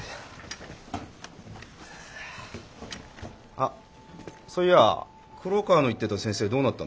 あっそういや黒川の言ってた先生どうなったんだろうな。